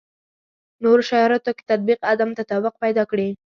نورو شرایطو کې تطبیق عدم تطابق پیدا کړي.